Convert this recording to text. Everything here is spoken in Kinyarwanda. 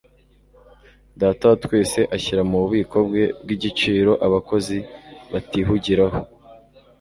Data wa twese ashyira mu bubiko bwe bw'igiciro abakozi batihugiraho.